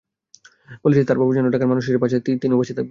বলেছেন, তাঁর বাবা যেমন ঢাকার মানুষের পাশে ছিলেন তিনিও পাশে থাকবেন।